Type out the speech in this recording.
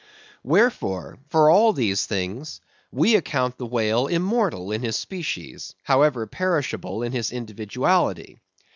Wherefore, for all these things, we account the whale immortal in his species, however perishable in his individuality.